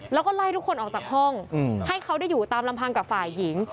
แล้วก็ไล่ทุกคนออกจากห้องให้เขาได้อยู่ตามลำพังกับฝ่ายหญิง